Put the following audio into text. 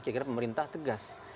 kira kira pemerintah tegas